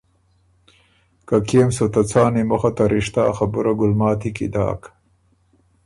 که کيې م سُو ته څان ای مُخه ته رِشته ا خبُره ګلماتی کی داک۔